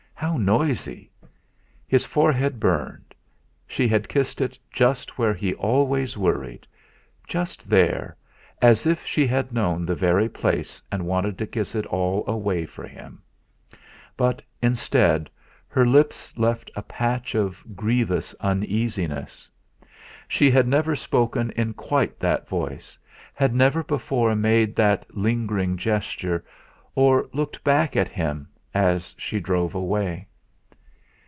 how noisy! His forehead burned; she had kissed it just where he always worried; just there as if she had known the very place and wanted to kiss it all away for him. But, instead, her lips left a patch of grievous uneasiness. She had never spoken in quite that voice, had never before made that lingering gesture or looked back at him as she drove away.